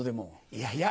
いやいや！